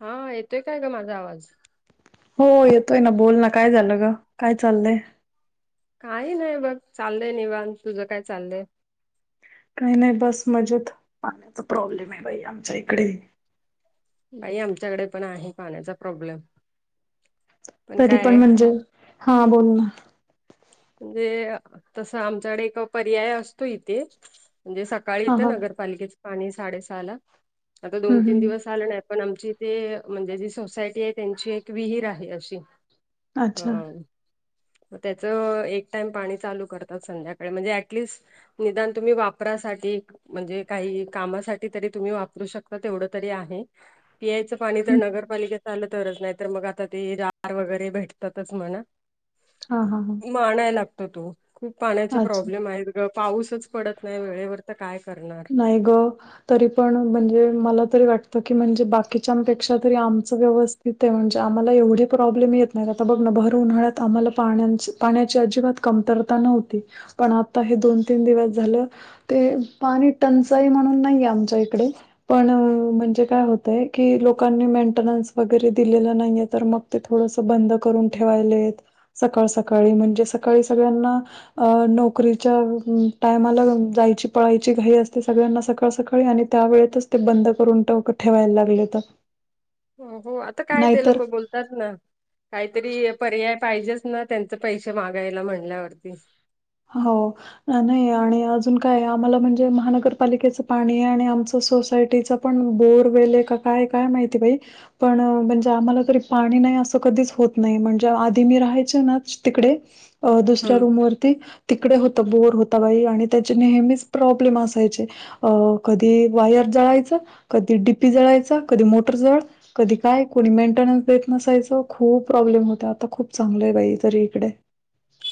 हा येतोय काय ग माझा आवाज हो येतोय ना बोल ना काय झालं ग काय चाललंय काही नाही बघ चाललंय निवाण तुझं काय चाललंय काही नाही बस मजेत पाण्याचा प्रॉब्लेम आहे बाई आमच्या इकडे बाई आमच्याकडे पण आहे पाण्याचा प्रॉब्लेम तरी काय पण आहे, म्हणजे हा बोल ना म्हणजे तस आमच्याकडे एक पर्याय असतो इथे म्हणजे स सकाळी हा हा येतं नगरपालिकेचं पाणी साडे सहा ला आता हम्म दोन तीन हम्म दिवस आलं नाही पण आमची ते म्हणजे जी सोसायटी आहे त्यांची एक विहीर आहे अशी अच्छा अ त्याच म पा चालात संध्याकाळी म्हणजे निद तुम्ही वापरासाठी म्हणजे काही कामासाठी तरी तुम्ही वापरू शकता तेवढं तरी आहे पियायचं पाणी तर हम्म हम्म. नगरपालिकेचं आलं तरच नाही तर मग आता ते दार वगैरे भेटतातच म्हणा हा हा हा ा लागतो तो खूप पाण्या अच्छा प्रब्लेम आहे पाऊसच पडत नाही वेळेवर तर काय करणार नाहीयगो तरी पण म्हणजे मला तरी वाटत की म्हणजे बाकीच्यापेक्षा तरी आमच व्यवस् तथे म्हणजे आम्हाला एवढे प्रॉब्लेम येत नाही आता बघ ना भर उन्हाळ्यात आम्हाला पाण्याच पाण्याची अजिबात कमतरता नव्हती पण आता हे दोन तीन दिवस झालं ते. पाणी टंचाई म्हणून नाहीये आमच्या इकडे पण म्हणजे काय होतय की लोकांनी मेंटेनन्स वगैरे दिलेलं नाहीये तर मग ते थोडस बंद करून ठेवायले सकाळ सकाळी म्हणजे सकाळी सगळ्यांना अ नोकरीच्या टायमाला जायची पळायची घ असते सगळ्यांना सकाळ सकाळी आणि त्या वेळेतच ते बंद करून ठेवायला लागले तर. [inaudible] हो हो आता काय ते लोक बोलत. ना काहीतरी पर्याय पाहिजेच ना त्यांचे पैसे मागायला म्हणल्यावरती. हो. नाही आणि अजून काय आम्हाला म्हणजे महानगरपालिकेचं पाणी आहे आणि आमचं सोसायटीच पण बोर वेले का काय काय माहिती बाई. पण म्हणजे आम्हाला तरी पाणी नाही असं कधीच होत नाही म्हणजे आधी मी राहायचे ना तिकडे अ दुसऱ्या हम्म रूमवररती तिकडे होतं बोर होता बाई आणि त्याचे नेहमीच प्रॉब्लेम असायचे. अ कधी वायर जळायचं कधी डीपी जळायच कधी मोटर जळ कधी काय कोणी मेंटेनन्स देत नसायचं खूप प्रॉब्लेम होत आता खूप चांगलं आहे बाई तरी इकडे.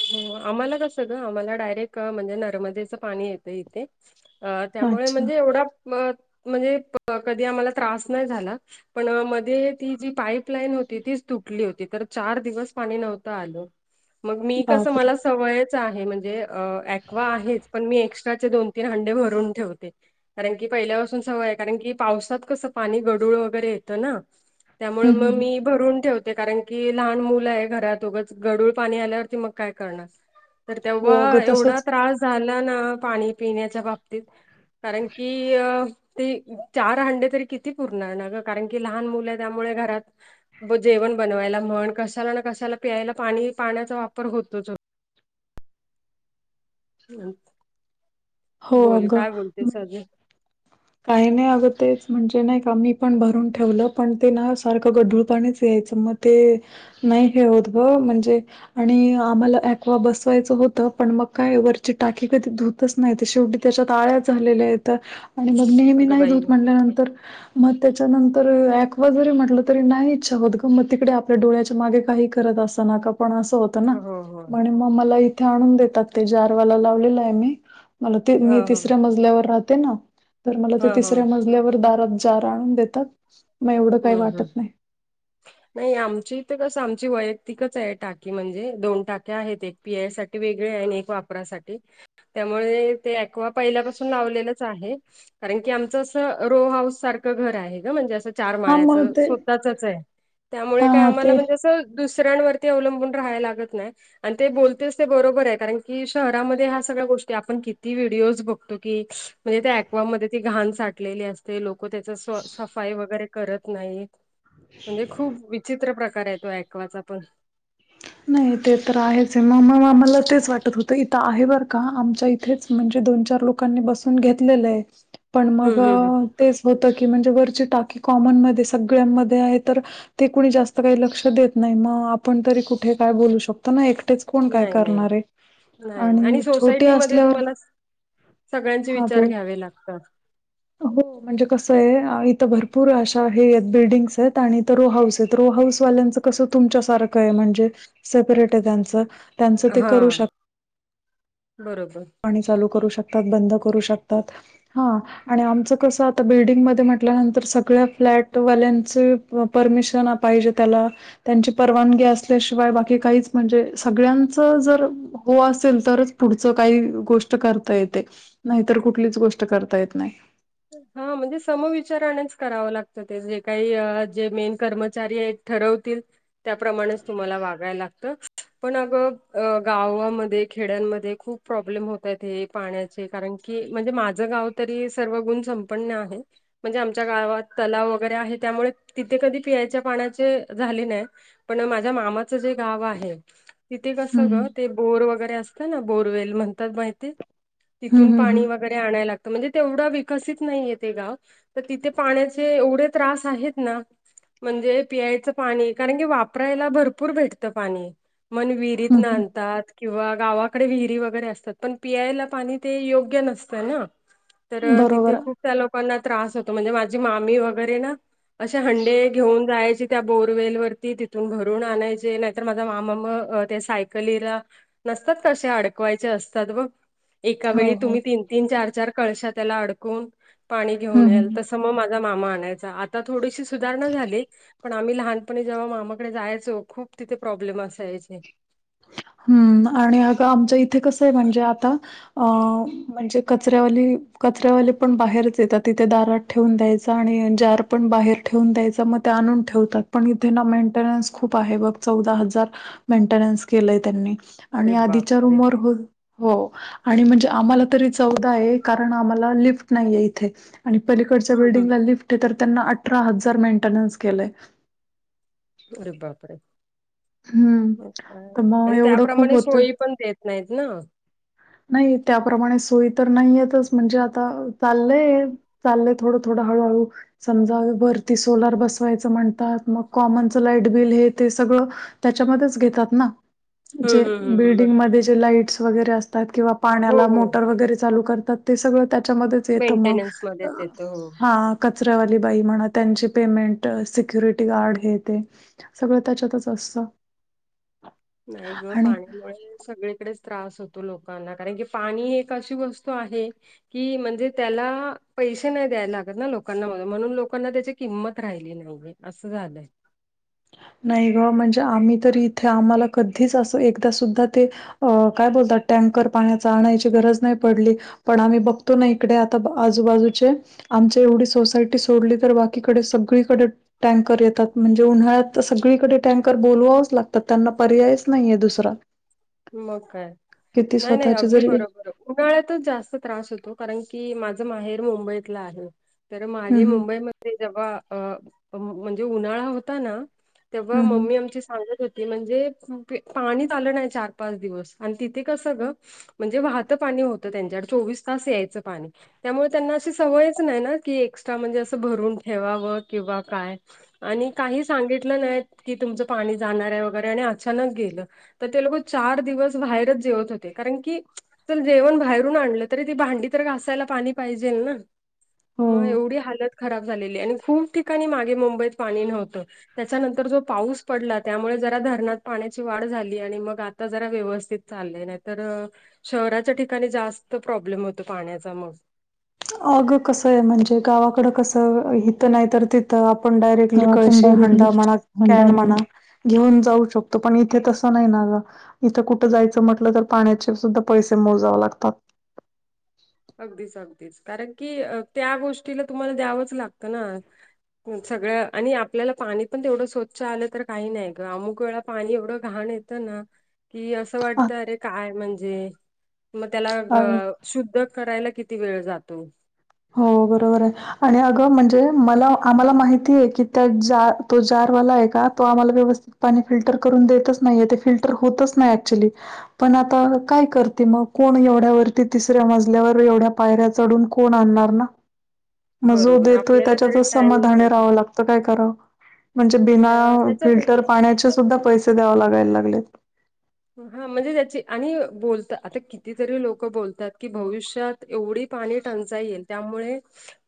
हो आम्हाला कसं ग आम्हाला डायरेक्ट म्हणजे नर्मदेचं पाणी येतं इथे. अ त्यामुळे अच्छा. म्हणजे एवढा म्हणजे कधी आम्हाला त्रास नाही झाला. पण मध्ये ती जी पाईपलाईन होती तीच तुटली होती तर चार दिवस पाणी नव्हतं आलं. मग मी कस बापरे! मला सवयच आहे म्हणजे वा आहे पण मी एक्स्ट्रा दोन तीन हंडे भरून ठेवते. कारण की पहिल्यापासून सवय आहे कारण की पावसात कसं पाणी गडूळ वगैरे येतं ना. त्यामुळे हं, हं, मग हं. मी भरून ठेवते कारण की लहान मुल आहे घरातोगंच गडूळ पाणी आल्यावरती मग ्हा हो अगं तसंच त. झाला ना पाणी पिण्याच्या बाबतीत कारण की अ ते चार हंडे तरी किती पुरणार ना ग कारण की लहान मुलं त्यामुळे घरात जेवण बनवायला म्हण कशाला ना कशाला पियला पाणी पाण्याचा वापर होतच हो. हो बोल काय बोलते अगं सजे काही नाही अगतच म्हणजे नाही का आम्ही पण भरून ठेवलं पण ते ना सारखं गढरूळ पाणीच यायचं मग ते नाही हे होत ग म्हणजे आणि आम्हाला वा बसवायचं होतं पण मग काय वरची टाकी कधी धुत नाही शेवटी त्याच्यात तळ्यात झालेल्या आहेतेत आणि मग नेहमी अगं नाही बाई धूत म्हटल्यानंतर मग त्याच्यानंतर ऐकवा जरी म्हटलं तरी नाही इच्छा होत ग मग तिकडे आपल्या डोळ्याच्या मागे काही करत अस ना पण अस हो. म्ह मग मला इथे आणून देतात ते जारवाला लावलेलं आहे मी मला हा मी हा तिसऱ्या मजल्यावर राहते ना तर मला ते हा हा तिसऱ्या मज ल्यावर दारात जार आणून देतात. मग एवढं काही हम् हम् वाटत ह. [inaudible] नाही आमची तर कसं आमची वैयक्तिकच आहे टाकी म्हणजे दोन टाक्या आहेत एक. पियायसाठीठी वेगळे आहे एक वापरासाठी त्यामुळे ते वा पहिल्यापासून लावलेलंच आहे. कारण की आमचं असं रो हाऊस सारखं घर आहे ग म्हणजे असं. चार हा माळ्याच मग ते स्वतःचच आहे त्यामुळे काय हा आम्हाला ते म्हणजे- दुसऱ्यांवरती अवलंबून राहायला लागत नाही. आणि ते बोलतेच ते बरोबर आहे कारण की शहरामध्ये ह्या सगळ्या गोष्टी आपण किती व्हिडिओज बघतो की म्हणजे त्या ॅक्वा मध्ये ती घाण साटलेली असते लोक त्याच स् सफाई वगैरे करत नाही. म्हणजे खूप विचित्र प्रकार आहे तो ऐकवाचा पण नाही ते तर आहेच मग म आम्हाला तेच वाटत होतं इथं आहे बरं का आमच्या इ. तेच म्हणजे दोन चार लोकांनी बसून घेतलेलं आहे पण मग हम्म हम्म हम्म. तेच होतं की म्हणजे वरची टाकी कॉमनमध्येध्ये सगळ्यांमध्ये आहे तर ते कुणी जास्त काही लक्ष देत नाही मग आपण तरी कुठे काय बोलू शकतो ना एकटेच कोण काय नाही नाही करणारे नाही आणि छोटे सोसायटीमध्ये असल्यावर तुम्हाला सगळ्यांचे हा विचार बोल घ्यावे लागतात. हो म्हणजे कसं आहे इथं भरपूर अशा हे आहेत बिल्डिंग्स आहेत आणि रो हऊस आहेत रो हऊस वाल्यांचं कसं तुमच्या सारखं आहे म्हणजे सेपरेट आहे त्यांचं. त्यांचं ते हा करू शक बरोबर पाणी चालू करू शकतात बंद करू शकतात हा. आणि आमचं कस आता बिल्डिंगमध्येध्ये म्हटल्यानंतर सगळ्या फ्लॅटवाल्यांचे परमिशन पाहिजे त्याला त्यांची परवानगी असल्याशिवाय बाकी काहीच म्हणजे सगळ्यांच जर हो असेल तरच पुढच काही गोष्ट करता येते नाहीतर कुठलीच गोष्ट करता येत नाही हा म्हणजे समविचारानेच करावं लागतं ते जे काही जे मेन कर्मचारी आहेत. ठरवतील त्याप्रमाणेच तुम्हाला वागाय लागतं. पण अगं अ गावा मध्ये खेड्यांमध्ये खूप प्रॉब्लेम होतायत हे पाण्या चे कारणकी म्हणजे माझं गाव तरी सर्वगुण संपन्न आहे. म्हणजे आमच्या गावात तलाव वगैरे आहे त्यामुळे तिथे कधी पिण्याच्या पाण्याचे झाले नाय. पण माझ्या मामाचं जे गाव आहे. तिथे कसं हम्म ग ते बोर वगैरे असतंना बोरवेल म्हंतात माहिते तिथून हम्म हम्म हम्म पाणी वग गरे आणाय लागत म्हंजे तेवढा वि कसित नाहीये ते गाव तर तिथे पाण्याचे एवढे त्रास आहेतना. म्हंजे पियायचं पाणी कारणकी वापरायला भरपूर भेटतं पाणी मन वि हम्म रित्न हम्म आनतात. किंवा गावाकडे विहिरी वगैरे असतात पण पियायला पाणी ते योग्य नसतंना. तर बरोबर तिथे खूप त्या लोकांना त्रास होतो म्हंजे माझी मामी वगैरे ना. अशे हंडे घेऊन जायाची त्या बोरवेल वरती तिथून भरूण आणायचे नाहीतर माझा मामा म अ त्या सायकलीला नसतात का अशे अडकवायचे असतात बघ. एका हो, वेळी हो. तुम्ही तीनतीन चारचार कळश्या त्याला अडकून पाणी हं, घेऊन याल हं. तसं असं म झा मामा आनायचा आता थोडीशी सुधारणा झाले. पण आम्ही लहानपणी जेव्हां मामाकडे जायाचो खूप तिथे प्रॉब्लेम असायचे. हम्म आणि अगं आमच्या इथे कसंय म्हंजे आता अ म्हंजे कचऱ्यावाली कचऱ्यावालेपण बाहेरच येतात तिथे दारात ठेवून द्यायचा आणि जार पण बाहेर ठेवून द्यायचा म ते आणून ठेवतात पण इथे ना मेंटेनन्स खूप आहे बग चौदा हजार मेंटेनन्स केलंय त्यांनी अरे आणि आधीच्या बापरे! रूमवर हो हो आणि म्हंजे आम्हाला तरी चौदा आहे कारण आम्हाला लिफ्ट नाहीये इथे. आणि पलीकडच्या हं हं. बिल्डिंगला लिफ्टे तर त्यांना अठरा हजार मेंटेनन्स केलंय. अरे बापरे हं. मग काय तर मग आणि एवढं खूप त्याप्रमाणे होतं. सोयी पन देत नईतना. नई त्याप्रमाणे सोईतर नाईयेतच म्हंजे आता चाल्लंय. चाललंय थोडं थोडं हळूहळू. समजा य वरती सोलार बसवायचं म्हणतात मग कॉमनचं लाईट बिल हे ते सगळ. त्याच्यामध्येच घेतातना. जे हं हं हं. बरं. बिल्डिंगमदे जे लाईट्स वगैरे असतात किंवा हो पाण्याला हो. मोटर वगैरे चालू करतात. ते सगळं त्याच्यामध्येच येतंम मेंटेनन्समध्येच येतं हो. हां. कचऱ्यावाली बाई म्हणा त्यांची पेमेंटं सिक्युरिटी गार्ड हे ते. सगळं त्याच्यातच अस्त. नाई ग पाण्यामुळे सगळीकडेच त्रास होतो लोकांना कारणकी पाणी एक अशी वस्तू आहे की म्हंजे त्याला पैशे नाय द्यायलागतना लोकांना मनू म्हणून लोकांना त्याची किंमत राहिली नाहीये. अस्स झालंय. न्हाईग म्हंजे आम्ही तर इथे आम्हाला कध्धीच अस एकदा सुद्धा ते अ काय बोलता टँकर पाण्याचा आणायची गरज नाय पडली. पण आम्ही बघतो ना इकडे आता अ आजूबाजूचे. आमची येवढी सोसायटी सोडली तर बाकीकडे सगळीकडे टँ कर येतात म्हणजे उन्हाळ्यात् त् सगळीकडे टँकर बोलवावंच लागतात त्यांना पर्यायच नाहीये दुसरा. मगकाय किती नाय नाय स्वतःची अगदी जरी बरोबर उन्हाळ्यातच जास्त त्रास होतो कारण की माझं माहेर मुंबईतला आहे. तर हं, मागे हं. मुंबईमध्ये जेव्हा अ म् म्हंजे उन्हाळा होताना. तेंव्हा हं, हं. मम्मी आमची सांगत होती म्हंजे पंपि् पाणीच आलं नाय चार पाच दिवस आण् तिथे कसंग म्हंजे वाहतं पाणी होतं त्यांच्याड चोवीस तास यायचं पाणी. त्यामुळ त्यांना अशी सवयच नायना की एक्स्ट्रा म्हंजे असं भरून ठेवावं किंवा काय. आणि काही सांगिटलं नायत की तुमचं पाणी जाणारय वगैरे आणि अचानक गेलं. तर ते लोक चार दिवस बाहेरच जेवत होते कारण की च जेवण बाहेरून आणलं तरी ती भांडी तर घासायला पाणी पाहिजेल ना मग हो. एवढी हालत खराब झालेली आणि खूप ठिकाणी मागे मुंबईत पाणी नव्हतं त्याच्यानंतर जो पाऊस पडला त्यामुळे जरा धरणात पाण्याची वाढ झाली आणि मग आ आता जरा व्यवस्थित चालले नाही तर शहराच्या ठिकाणी जास्त प्रॉब्लेम होतो पाण्याचा मस्त अग कस आहे म्हणजे गावाकड कसं हित नाही तर त तर आपण डायरेक्टली कळशी हंडा म्हणा कॅन म्हणा घेऊन जाऊ शकतो पण इथे तसं नाही नाझा इथं कुठं जायचं म्हटलं तर पाण्याचे सुद्धा पैसे मोजावे लागतात अगदीच अगदीच कारण की त्या गोष्टीला तुम्हाला द्यावंच लागतं ना सगळं आणि आपल्याला पाणी पण तेवढं स्वच्छ आलं तर काही नाही ग अमुक वेळा पाणी एवढं घाण आहे त्यांना कि असं वाटत अरे काय म्हणजे मग त्याला आत शुद्ध करायला किती वेळ जातो हो बरोबर आहे आणि अगं म्हणजे मला आम्हाला माहिती आहे की त्या तो जारवाला आहे का तो आम्हाला व्यवस्थित पाणी फिल्टर करून देतच नाहीे ते फिल्टर होतच नाही ऍक्च्युली पण आता काय करते मग कोण एवढ्यावरती तिसऱ्या मजल्यावर एवढ्या पायऱ्या चढून कोण मग जो बरोबर देतोय आपल्याला त्याच्यात तरी टाइम समाधाने पाहिजे राहावं लागतं काय करावं म्हणजे बिना त्याच्यातच फिल्टर पाण्याचे सुद्धा पैसे द्यावा लागायला लागलेत हा म्हणजे त्याची आणि बोलत आता कितीतरी लोक बोलतात की भविष्यात एवढी पाणी टंचा येल त्यामुळे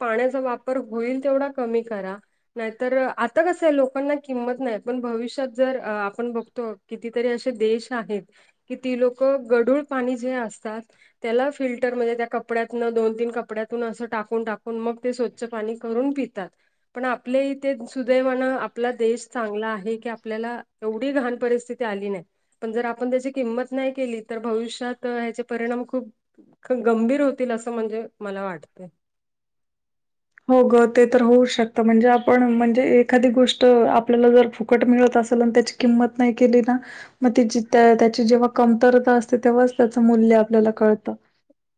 पाण्याचा वापर होईल तेवढा कमी करा नाहीतर आता कसं आहे लोकांना किंमत नाही पण भविष्यात जर आपण बघतो कितीतरी असे देश आहेत कि ती लोक गढूळ पाणी जे असतात त्याला फिल्टर म्हणजे त्या कपड्यातन दोन तीन कपड्यातून असं टाकून टाकून मग ते ् पाणी करून पितात पण आपले इथे सुदैवान आपला देश चांगला आहे की आपल्याला एवढी घहण परिस्थिती आली नाही पण जर आपण त्याची किंमत नाही केली तर भविष्यात ह्याचे परिणाम खूप ख गंभीर होतील असं म्हणजे मला वाटतंय हो ग ते तर होऊच शकत म्हणजे आपण म्हणजे एखादी गोष्ट आपल्याला जर फुकट मिळत असेल त्याची किंमत नाही केली ना मग त ज त्या त्याची जेव्हा कमतरता असते तेव्हाच त्याचं मूल्य आपल्याला कळतं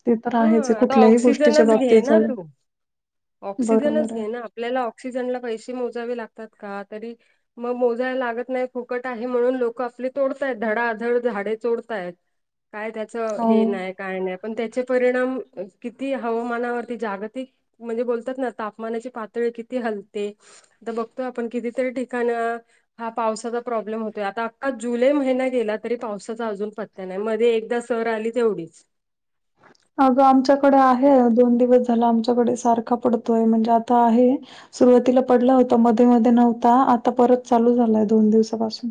ते तर हा आहेच आता कुठल्याही गोष्टीच्या ऑक्सिजनच घे बाबतीत ना झाल्या तू ऑक्सिजनच घे ना आपल्याला ऑक्सिजनला पैसे मोजावे लागतात का तरी मग मोजायला लागत नाही फुकट आहे म्हणून लोक आपली तोडतायत धडाझड झाडे चोडतायत काय त्याच हो. हे नाही काय नाही पण त्याचे किती हवामानावरती जागतिक म्हणजे बोलतात ना तापमानाची पातळी किती हलते तर बघतो आपण कितीतरी ठिकाण हा पावसाचा प्रॉब्लेम होतोय आता अखखा जुलै महिन गेला तरी पावसाचा अजून प त्या नाही मध्ये एकदा सर आली तेवढीच अगं आमच्याकडे आहे दोन दिवस झाला आमच्याकडे सारखा पडतोय म्हणजे आता आहे सुरुवातीला पडला होता मध्ये मध्ये नव्हता आता परत चालू झालाय दोन दिवसापासून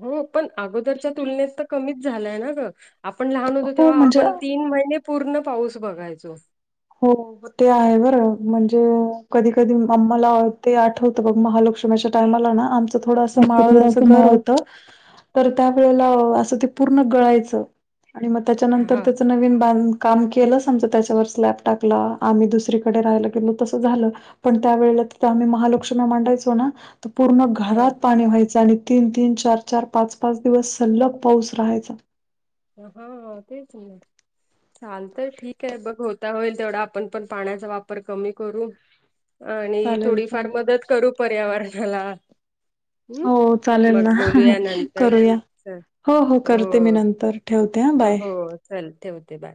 हो पण अगोदरच्या तुलनेत तर कमीच झालाय ना ग आपण लहान होतो हो तेव्हा म्हणजे आपण तीन महिने पूर्ण पाऊस बघायचो हो ते आहे बरं म्हणजे कधी कधी आम्हाला ते आठवतं बघ महालक्ष्मीच्या टायमाला ना आम थोडंसं आता थोडा माळदचं घर तुम्हा होतं तर त्यावेेळेला असं ते पूर्ण गळायचं आणि मग त्याच्यानंतर हा त्याचं नवीन बांध काम केलंच आमचं त्याच्यावर स्लॅब टाकलं आम्ही दुसरीकडे राहायला गेलो तसं झालं पण त्यावेेळेला तिथ आम्ही महालक्ष्मी मांडायचो ना तर पूर्ण हा घरात पाणी व्हायचं आणि तीन तीन चार चार पाच पाच दिवस सलग पाऊस राहायचा हा तेच म चाल तर ठीक आहे बघ होता होईल तेवढा आपण पण पाण्याचा वापर कमी करू आणि चालेल थोडीफार चालेल मदत करू पर्यावरणाला हम्म. हो चल चालेल मग ना बोलूया नंतर करूया चल हो हो करते मी नंतर ठेवते हां. बाय. हो चल ठेवते बा